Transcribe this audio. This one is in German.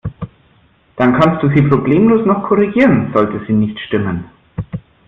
Dann kannst du sie problemlos noch korrigieren, sollte sie nicht stimmen.